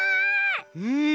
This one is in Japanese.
うん！